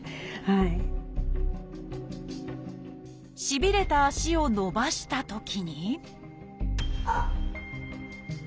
しびれた足を伸ばしたときにあっ！